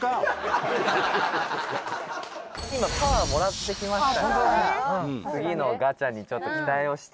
「今パワーもらってきましたから次のガチャにちょっと期待をして」